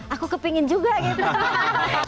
aku kepingin juga gitu